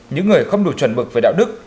những người không đủ chuẩn bực về đạo đức